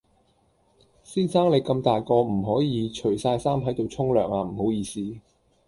先生你咁大個唔可以除晒衫喺度沖涼啊唔好意思